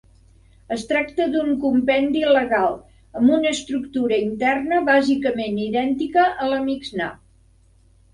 Es tracta d'un compendi legal, amb una estructura interna bàsicament idèntica a la Mixnà.